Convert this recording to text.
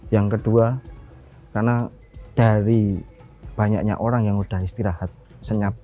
yang kedua karena dari banyaknya orang yang sudah istirahat senyap